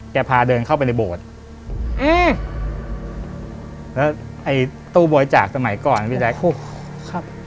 แกพาเดินเข้าไปในโบสถ์แล้วไอ้ตู้โบยจากสมัยก่อนพี่แจ๊ค